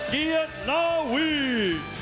เกียร์ลาวี